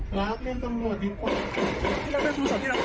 รักเล่นสังหรอกดีกว่าพี่รักไม่ต้องชูสอบที่หลังนี้